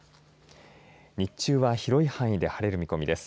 日中は広い範囲で晴れる見込みです。